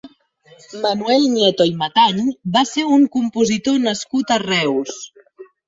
Manuel Nieto i Matañ va ser un compositor nascut a Reus.